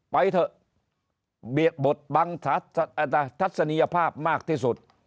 ไปเถอะบทบังทัศนียภาพมากที่สุด